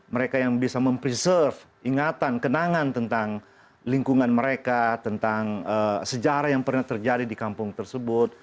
mereka yang bisa mem preserve ingatan kenangan tentang lingkungan mereka tentang sejarah yang pernah terjadi di kampung tersebut